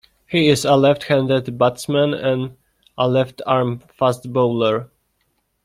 He is a left-handed batsman and a left-arm fast bowler.